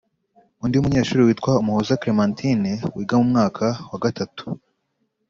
Undi munyeshuri witwa Umuhoza Clementine wiga mu mwaka wa gatatu